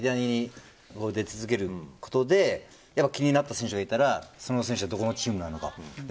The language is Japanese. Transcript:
やっぱり、メディアに出続けることで気になった選手がいたらその選手はどこのチームなんだ。